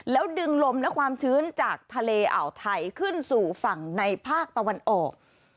แล้วดึงลมและความชื้นจากทะเลอ่าวไทยขึ้นสู่ฝั่งในภาคตะวันออก